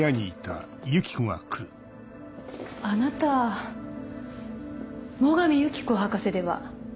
あなた最上友紀子博士では？